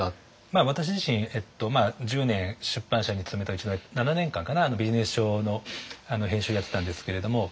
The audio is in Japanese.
私自身１０年出版社に勤めたうちの７年間かなビジネス書の編集をやってたんですけれども。